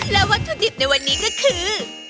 และวัตถุดิบในวันนี้ก็คือ